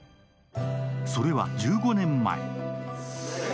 それは１５年前。